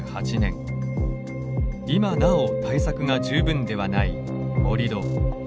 今なお対策が十分ではない盛土。